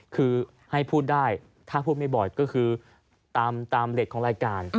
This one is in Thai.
คือให้พูดได้ถ้าพูดไม่บ่อยก็คือตามเล็ตของรายการ